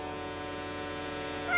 あ！